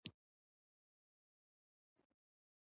د ډېر لږ شمېر کتابونه یې چاپ کړل.